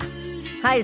はい。